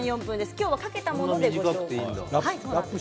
今日はかけたものでご紹介します。